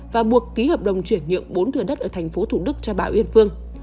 và buộc ký hợp đồng chuyển nhượng bốn thừa đất ở thành phố thủ đức cho bà uyên phương